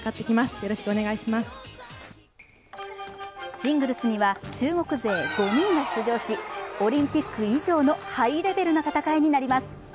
シングルスには中国勢５人が出場し、オリンピック以上のハイレベルな戦いになります。